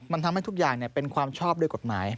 มันทำให้ทุกอย่างเป็นความชอบด้วยกฎหมาย